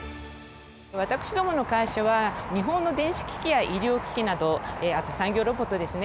私どもの会社は日本の電子機器や医療機器などあと産業用ロボットですね